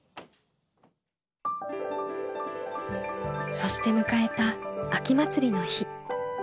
そして迎えた秋祭りの日。